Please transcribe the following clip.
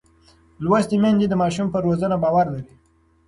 لوستې میندې د ماشوم پر روزنه باور لري.